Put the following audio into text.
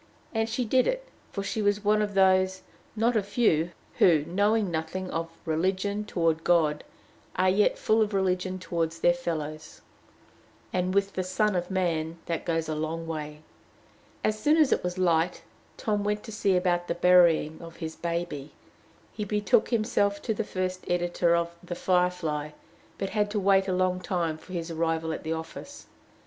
And she did it; for she was one of those, not a few, who, knowing nothing of religion toward God, are yet full of religion toward their fellows, and with the Son of Man that goes a long way. As soon as it was light, Tom went to see about the burying of his baby. He betook himself first to the editor of "The Firefly," but had to wait a long time for his arrival at the office.